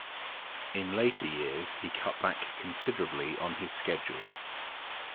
In later years, he cut back considerably on his schedule.